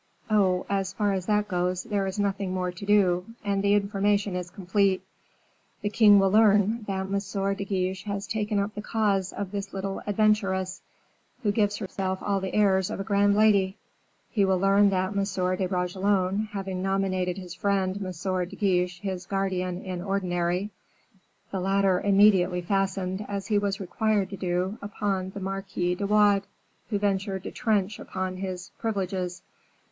"Oh, as far as that goes there is nothing more to do, and the information is complete. The king will learn that M. de Guiche has taken up the cause of this little adventuress, who gives herself all the airs of a grand lady; he will learn that Monsieur de Bragelonne, having nominated his friend M. de Guiche his guardian in ordinary, the latter immediately fastened, as he was required to do, upon the Marquis de Wardes, who ventured to trench upon his privileges.